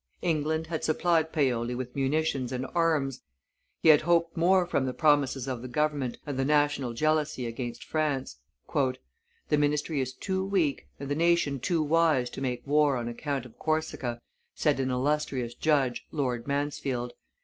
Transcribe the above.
England had supplied Paoli with munitions and arms; he had hoped more from the promises of the government and the national jealousy against France. "The ministry is too weak and the nation too wise to make war on account of Corsica," said an illustrious judge, Lord Mansfield.